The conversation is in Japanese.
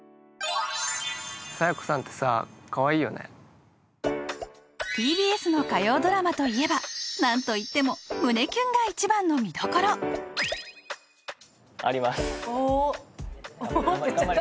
佐弥子さんってさかわいいよねＴＢＳの火曜ドラマといえば何といっても胸キュンが一番の見どころおっ「おっ」て言っちゃった